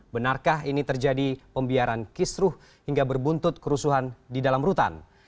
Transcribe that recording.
benarkah ini terjadi pembiaran kisruh hingga berbuntut kerusuhan di dalam rutan